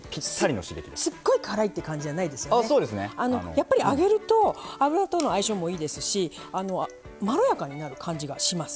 やっぱり揚げると油との相性もいいですしまろやかになる感じがします。